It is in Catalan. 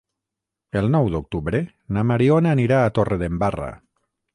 El nou d'octubre na Mariona anirà a Torredembarra.